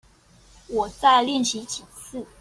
我再練習幾次